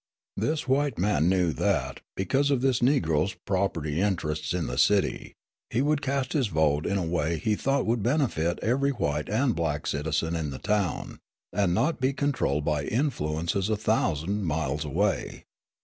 This white man knew that, because of this Negro's property interests in the city, he would cast his vote in the way he thought would benefit every white and black citizen in the town, and not be controlled by influences a thousand miles away.